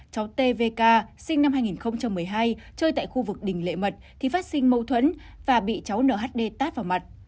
cháu tvk sinh năm hai nghìn một mươi hai chơi tại khu vực đình lệ mật thì phát sinh mâu thuẫn và bị cháu nhd tát vào mặt